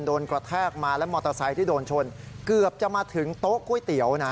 กระแทกมาและมอเตอร์ไซค์ที่โดนชนเกือบจะมาถึงโต๊ะก๋วยเตี๋ยวนะ